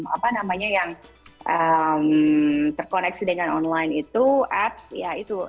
apa namanya yang terkoneksi dengan online itu apps ya itu